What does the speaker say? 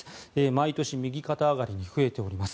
毎年右肩上がりに増えております。